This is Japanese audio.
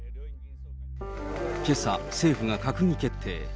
けさ、政府が閣議決定。